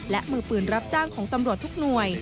และมือปืนรับจ้างของตำรวจทุกหน่วย